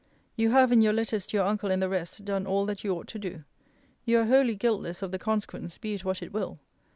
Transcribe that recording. You have, in your letters to your uncle and the rest, done all that you ought to do. You are wholly guiltless of the consequence, be it what it will.